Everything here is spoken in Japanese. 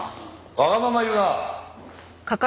わがまま言うな。